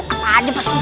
apa aja pasti cari